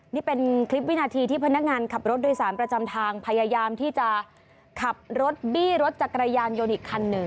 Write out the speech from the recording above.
นี่เป็นคลิปวินาทีที่พนักงานขับรถโดยสารประจำทางพยายามที่จะขับรถบี้รถจักรยานยนต์อีกคันหนึ่ง